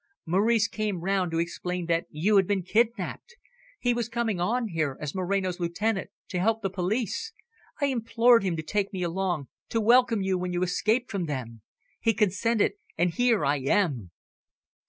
Maurice came round to explain that you had been kidnapped. He was coming on here, as Moreno's lieutenant, to help the police. I implored him to take me along, to welcome you when you escaped from them. He consented, and here I am."